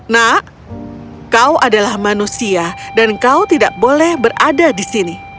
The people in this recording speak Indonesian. nak kau adalah manusia dan kau tidak boleh berada di sini